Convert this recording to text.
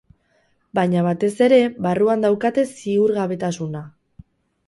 Baina, batez ere, barruan daukate ziurgabetasuna.